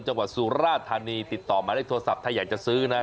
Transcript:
จังหวัดสุราธารณีติดต่อมาได้โทรศัพท์ถ้าอยากจะซื้อนะ